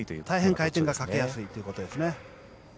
回転がかけやすいということです。